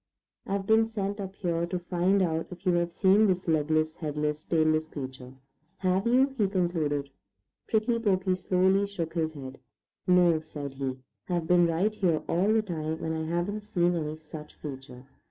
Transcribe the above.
"I've been sent up here to find out if you have seen this legless, headless, tailess creature. Have you?" he concluded. Prickly Porky slowly shook his head. "No," said he. "I've been right here all the time, and I haven't seen any such creature."